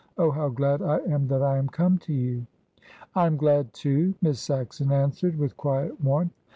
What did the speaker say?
Oh, how glad I am that I am come to you!" "I'm glad too," Miss Saxon answered, with quiet warmth.